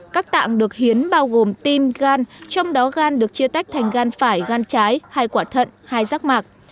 các tạng được hiến bao gồm tim gan trong đó gan được chia tách thành gan phải gan trái hai quả thận hai rác mạc